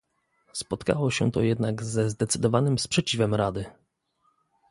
Spotkało się to jednak ze zdecydowanym sprzeciwem Rady